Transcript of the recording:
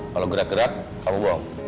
kalau gerak gerak kamu buang